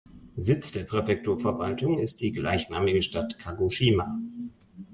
Sitz der Präfekturverwaltung ist die gleichnamige Stadt Kagoshima.